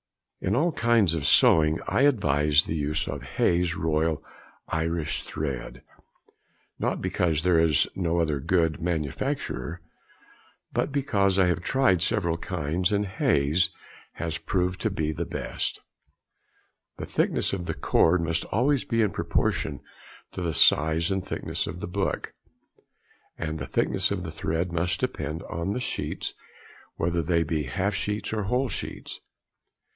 In all kinds of sewing I advise the use of Hayes' Royal Irish thread, not because there is no other of good manufacture, but because I have tried several kinds, and Hayes' has proved to be the best. The thickness of the cord must always be in proportion to the size and thickness of the book, and the thickness of the thread must depend on the sheets, whether they be half sheets or whole sheets.